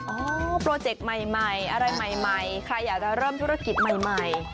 โปรเจกต์ใหม่อะไรใหม่ใครอยากจะเริ่มธุรกิจใหม่